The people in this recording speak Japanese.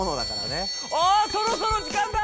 ああそろそろ時間だ！